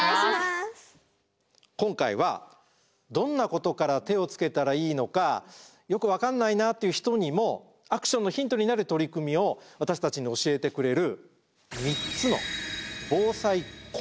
今回はどんなことから手をつけたらいいのかよく分かんないなっていう人にもアクションのヒントになる取り組みを私たちに教えてくれる３つの防災コンテスト